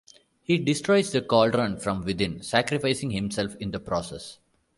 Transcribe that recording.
He destroys the cauldron from within, sacrificing himself in the process.